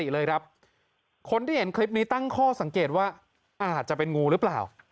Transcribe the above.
เลยครับคนที่เห็นคลิปนี้ตั้งข้อสังเกตว่าอาจจะเป็นงูหรือเปล่า